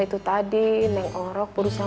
itu tadi neng orok berusaha